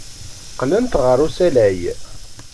Qqlent ɣer usalay.